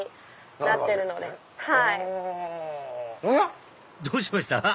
おや？どうしました？